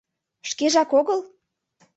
Шкежак огыл?